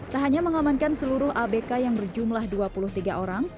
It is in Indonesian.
tak hanya mengamankan seluruh abk yang berjumlah dua puluh tiga orang